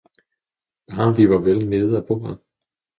Bare vi var vel nede af bordet!